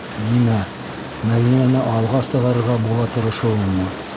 Нимә, Мәҙинәне алға сығарырға була тырышыуыңмы?